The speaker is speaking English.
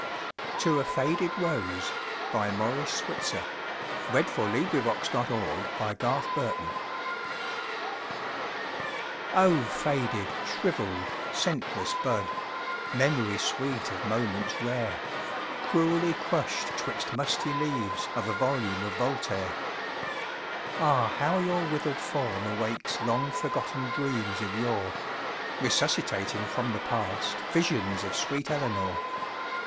as neat and trim as you, From the coast of Maine to Kismayu" 38 To a Faded Rose o FADED, shrivelled, scentless bud, Mem'ry sweet of moments rare, Cruelly crushed 'twixt musty leaves Of a volume of Voltaire ! Ah, how your withered form awakes Long forgotten dreams of yore Resuscitating from the past Visions of sweet Eleanor!